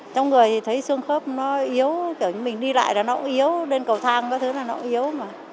trong người thì thấy xương khớp nó yếu kiểu như mình đi lại là nó yếu lên cầu thang các thứ là nó yếu mà